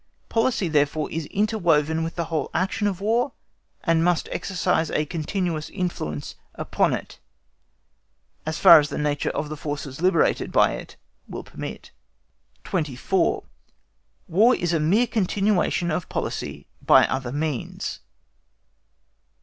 Policy, therefore, is interwoven with the whole action of War, and must exercise a continuous influence upon it, as far as the nature of the forces liberated by it will permit. 24. WAR IS A MERE CONTINUATION OF POLICY BY OTHER MEANS.